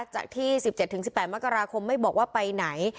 จากที่๑๗๑๘มกราคมไม่บอกว่าไปไหน